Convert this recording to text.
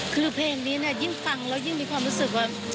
คือเพลงนี้เนี่ยยิ่งฟังแล้วยิ่งมีความรู้สึกว่า